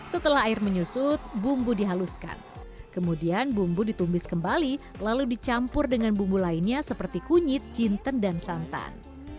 setelah air menyusut bumbu dihaluskan kemudian bumbu ditumis kembali lalu dicampur dengan bumbu lainnya seperti kunyit jinten dan santan